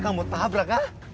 kamu tabrak ha